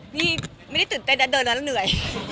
นี่ไม่ได้ตื่นเต้นนะเดินแล้วเหนื่อย